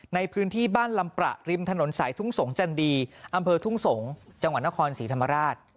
ในพื้นที่บ้านลำประริมถนนสายทุ่งสงจันดีอำเภอทุ่งสงศ์จังหวัดนครศรีธรรมราช